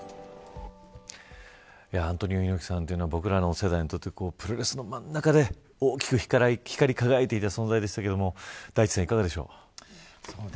アントニオ猪木さんは僕らの世代にとってプロレスの真ん中で、大きく光り輝いていた存在でしたけど大地さん、いかがでしょう。